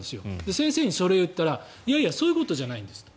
先生にそれを言ったらいやいやそういうことじゃないんですと。